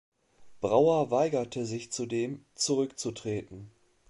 Brauer weigerte sich zudem, zurückzutreten.